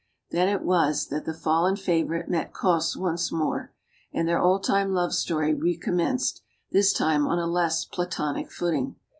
Then it was that the fallen favorite met Cosse once more. And their old time love story recommenced, this time on a less platonic footing.